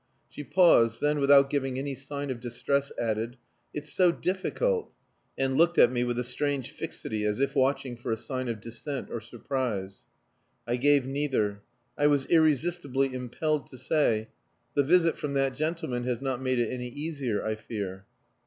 She paused, then, without giving any sign of distress, added, "It's so difficult," and looked at me with a strange fixity, as if watching for a sign of dissent or surprise. I gave neither. I was irresistibly impelled to say "The visit from that gentleman has not made it any easier, I fear."